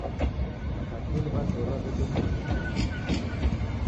W'akatili w'azerwa w'eko ichenicho kifumbu.